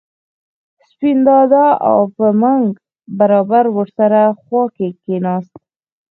سپین دادا او په منګ برابر ور سره خوا کې کېناست.